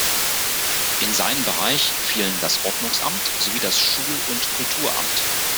In seinen Bereich fielen das Ordnungsamt sowie das Schul- und Kulturamt.